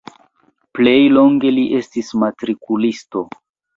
Plej longe li estis matrikulisto.